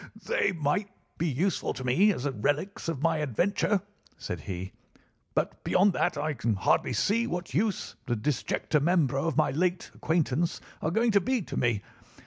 "They might be useful to me as relics of my adventure," said he, "but beyond that I can hardly see what use the disjecta membra of my late acquaintance are going to be to me.